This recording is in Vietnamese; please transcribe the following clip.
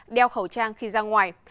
đeo khẩu trang khi ra ngoài